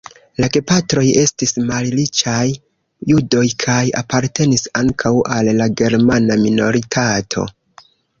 La gepatroj estis malriĉaj judoj kaj apartenis ankaŭ al la germana minoritato.